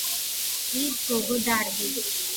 ის გოგო დარბის.